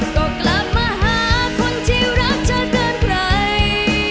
ก็กลับมาหาคนที่รักเธอเกินใคร